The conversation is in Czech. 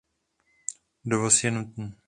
Dovoz je nutný.